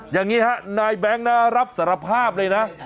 อย่างนี้ฮะนายแบงค์นะรับสารภาพเลยนะ